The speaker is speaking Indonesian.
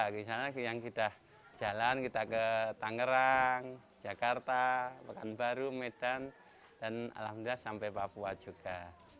misalnya yang sudah jalan kita ke tangerang jakarta pekanbaru medan dan alhamdulillah sampai papua juga